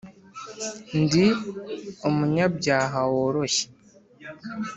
ndi umunyabyaha woroshye.